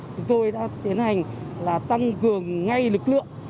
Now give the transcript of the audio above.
chúng tôi đã tiến hành tăng cường ngay lực lượng